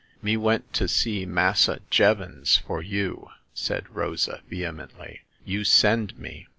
" Me went to see Massa Jevons for you !" said Rosa, vehemently ; you send me."